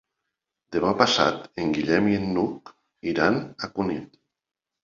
Demà passat en Guillem i n'Hug iran a Cunit.